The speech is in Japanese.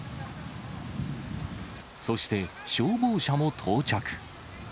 そして、消防車も到着。